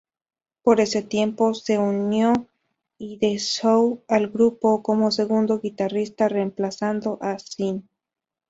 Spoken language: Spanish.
Por ese tiempo, se unió Hide-zou al grupo, como segundo guitarrista, reemplazando a Sin.